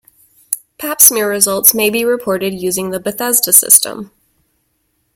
Pap smear results may be reported using the Bethesda System.